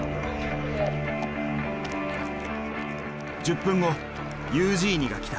１０分後ユージーニが来た。